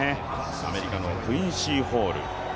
アメリカのクインシー・ホール。